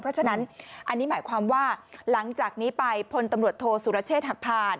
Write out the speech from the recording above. เพราะฉะนั้นอันนี้หมายความว่าหลังจากนี้ไปพลตำรวจโทษสุรเชษฐ์หักผ่าน